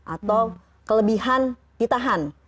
atau kelebihan ditahan